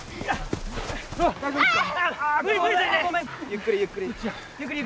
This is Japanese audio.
ゆっくりゆっくり。